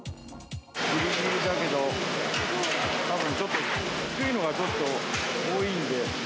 ぎりぎりだけど、たぶんちょっと低いのがちょっと多いんで。